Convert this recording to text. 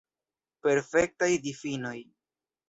Perfektaj difinoj.